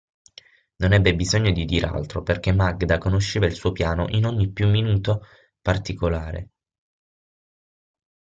Non ebbe bisogno di dir altro, perché Magda conosceva il suo piano in ogni più minuto particolare.